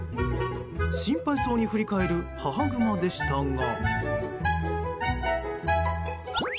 心配そうに振り返る母グマでしたが。